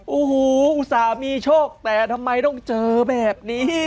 โอ้โหอุตส่าห์มีโชคแต่ทำไมต้องเจอแบบนี้